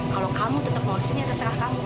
kalau kamu tetep mau disini ya terserah kamu